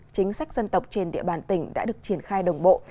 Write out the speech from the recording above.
chính sách dân tộc trên địa bàn tỉnh đã được triển khai đồng bộ